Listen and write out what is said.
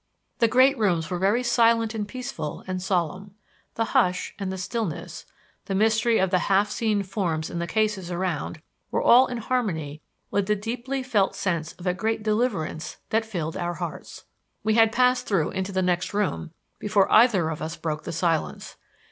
The great rooms were very silent and peaceful and solemn. The hush, the stillness, the mystery of the half seen forms in the cases around, were all in harmony with the deeply felt sense of a great deliverance that filled our hearts. We had passed through into the next room before either of us broke the silence.